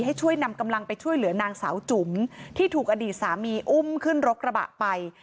ให้ช่วยนำกำลังไปช่วยเหลือนางสาวจุ๋มที่ถูกอดีตสามีอุ้มขึ้นรถกระบะไป